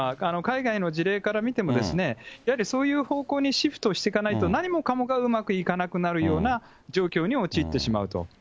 海外の事例から見ても、やはりそういう方向にシフトしていかないと、何もかもがうまくいかなくなるような状況に陥ってしまうと。